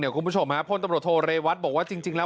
เนี่ยคุณผู้ชมฮะพลตำรวจโทรเรวัตรบอกว่าจริงจริงแล้ว